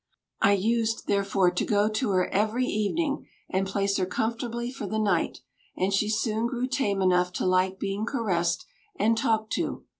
I used, therefore, to go to her every evening and place her comfortably for the night; and she soon grew tame enough to like being caressed and talked to.